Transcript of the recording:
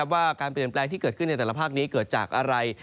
ว่าการเปลี่ยนแปลงที่เกิดขึ้นในแต่ละภาคนี้เกิดจากอะไร